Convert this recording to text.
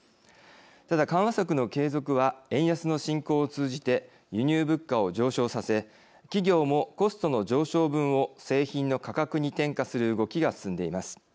ただ、緩和策の継続は円安の進行を通じて輸入物価を上昇させ企業もコストの上昇分を製品の価格に転嫁する動きが進んでいます。